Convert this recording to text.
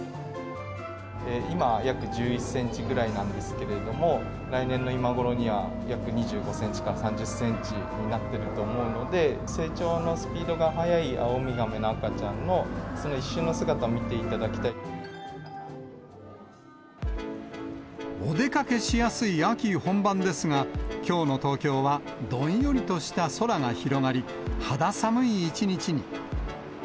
今、約１１センチぐらいなんですけれども、来年の今頃には、約２５センチから３０センチになってると思うので、成長のスピードが速いアオウミガメの赤ちゃんの、お出かけしやすい秋本番ですが、きょうの東京はどんよりとした空が広がり、肌寒い一日に。